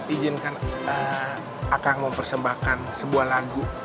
ini kan eh akang mau persembahkan sebuah lagu